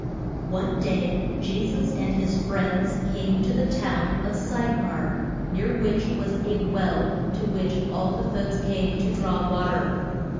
ONE day Je sus and his friends came to the town of Sy char, near which was a well to which all the folks came to draw wa ter.